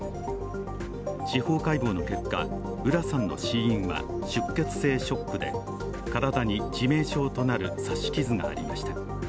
司法解剖の結果浦さんの死因は出血性ショックで、体に致命傷となる刺し傷がありました。